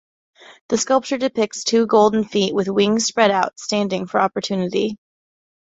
The sculpture depicts two golden feet with wings spread out, standing for opportunity.